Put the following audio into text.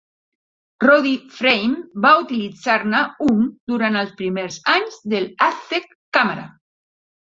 Roddy Frame va utilitzar-ne un durant els primers anys d"Aztec Camera.